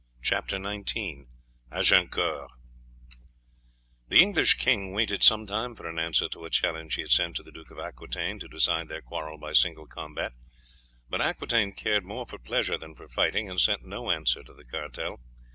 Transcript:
CHAPTER XIX AGINCOURT The English king waited some time for an answer to a challenge he had sent to the Duke of Aquitaine to decide their quarrel by single combat; but Aquitaine cared more for pleasure than for fighting, and sent no answer to the cartel.